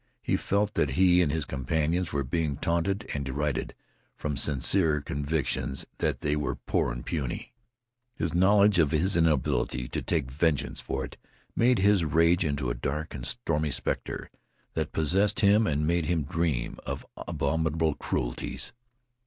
He felt that he and his companions were being taunted and derided from sincere convictions that they were poor and puny. His knowledge of his inability to take vengeance for it made his rage into a dark and stormy specter, that possessed him and made him dream of abominable cruelties.